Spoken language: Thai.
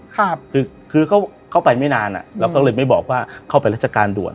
คือคือเขาเข้าไปไม่นานอ่ะเราก็เลยไม่บอกว่าเข้าไปราชการด่วน